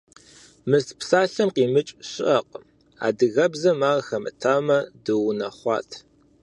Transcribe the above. «Мыст» псалъэм къимыкӏ щыӏэкъым. Адыгэбзэм ар хэмытамэ дыунэхъуат.